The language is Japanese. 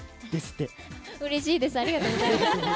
うれしいです。